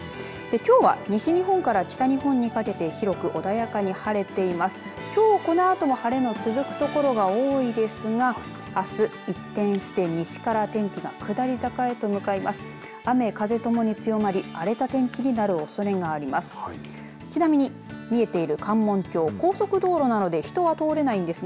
きょうはこのあとも晴れが続く所が多いですがあす、一転して西から天気が下り坂へと向かいます。